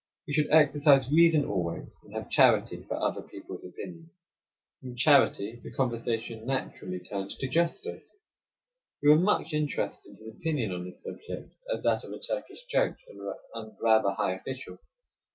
We should exercise reason always, and have charity for other people's opinions." From charity the conversation naturally turned to justice. We were much interested in his opinion on this subject, as that of a Turkish judge, and rather high official.